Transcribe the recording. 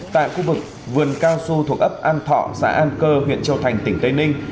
tại khu vực vườn cao su thuộc ấp an thọ xã an cơ huyện châu thành tỉnh tây ninh